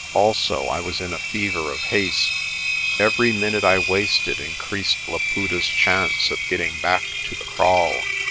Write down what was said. Also I was in a fever of haste. Every minute I wasted increased Laputa's chance of getting back to the kraal.